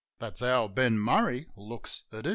That's how Ben Murray looks at it.